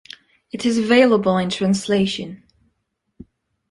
It is available in translation.